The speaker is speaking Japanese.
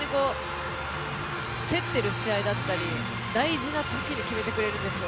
競っている試合だったり、大事なとき決めてくれるんですよ。